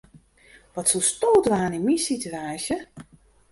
Wat soesto dwaan yn myn situaasje?